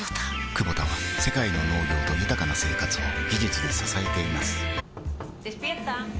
クボタは世界の農業と豊かな生活を技術で支えています起きて。